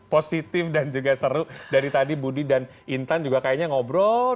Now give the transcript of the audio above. positif dan juga seru dari tadi budi dan intan juga kayaknya ngobrol